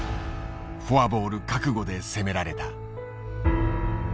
フォアボール覚悟で攻められた。